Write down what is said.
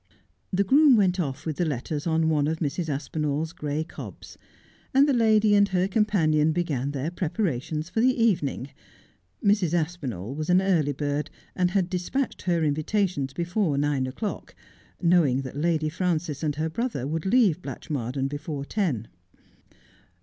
The groom went off with the letters on one of Mrs. Aspinall's gray cobs, and the lady and her companion began their prepara tions for the evening. Mrs. Aspinall was an early bird, and had despatched her invitations before nine o'clock, knowing that Lady Frances and her brother would leave Blatchmardean before ten.